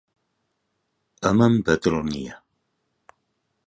ئەمەم بەدڵ نییە.